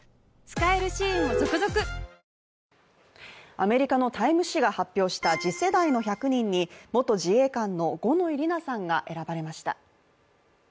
アメリカの「タイム」誌が発表した「次世代の１００人」に元自衛官の五ノ井里奈さんが選ばれました。